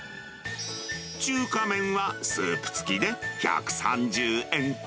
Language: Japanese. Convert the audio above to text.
中華麺はスープ付きで１３０円。